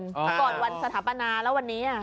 ก่อนวันสถาปนาแล้ววันนี้